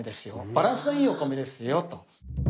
バランスのいいお米ですよと。